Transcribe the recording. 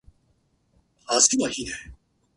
メロスには政治がわからぬ。